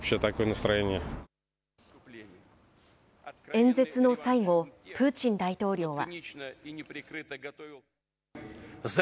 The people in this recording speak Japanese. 演説の最後、プーチン大統領は。